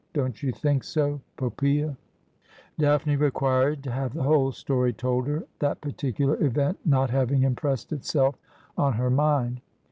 ' Don't you think so, Poppsea ?' Daphne required to have the whole story told her ; that particular event not having impressed itself on her mind.